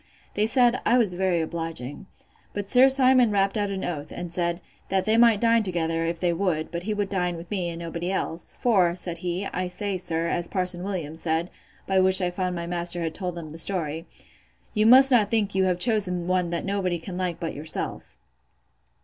They said, I was very obliging. But Sir Simon rapt out an oath, and said, That they might dine together, if they would; but he would dine with me, and nobody else: for, said he, I say, sir, as Parson Williams said, (by which I found my master had told them the story,) You must not think you have chosen one that nobody can like but yourself.